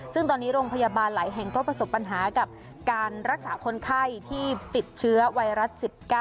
ซึ่งตอนนี้โรงพยาบาลหลายแห่งก็ประสบปัญหากับการรักษาคนไข้ที่ติดเชื้อไวรัส๑๙